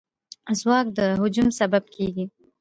ځواک د هجوم سبب کېږي.